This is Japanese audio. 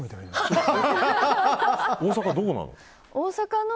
大阪のどこなの？